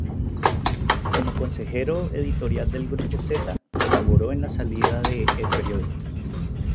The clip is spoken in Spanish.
Como consejero editorial del Grupo Zeta, colaboró en la salida de "El Periódico".